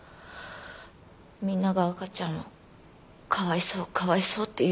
みんなが赤ちゃんをかわいそうかわいそうって言うのが。